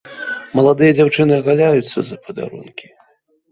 Маладыя дзяўчыны агаляюцца за падарункі.